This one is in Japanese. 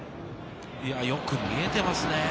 よく見えていますね。